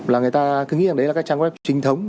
là người ta cứ nghĩ là đấy là cái trang web truyền thống